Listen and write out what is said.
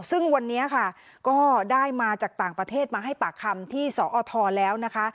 ซึ่งวันนี้ค่ะก็ได้มาจากต่างประเทศมาให้ปากคำที่สอทแล้วนะคะ